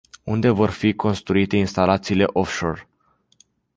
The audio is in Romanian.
Unde vor fi construite instalațiile off-shore?